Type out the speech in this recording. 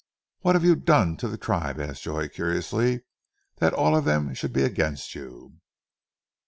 "What have you done to the tribe," asked Joy curiously, "that all of them should be against you?"